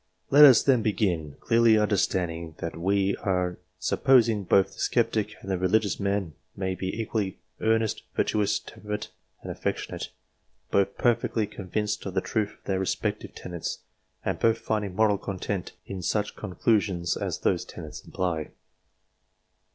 Let us then begin, clearly understanding that we are supposing both the sceptic and the religious man to be equally earnest, virtuous, temperate, and affectionate both perfectly convinced of the truth of their respective tenets, and both finding moral content in such conclusions as those tenets imply.